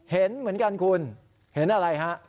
เห็นเหมือนกันคุณเห็นอะไรฮะ